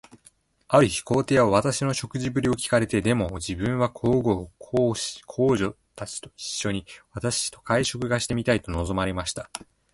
ある日、皇帝は私の食事振りを聞かれて、では自分も皇后、皇子、皇女たちと一しょに、私と会食がしてみたいと望まれました。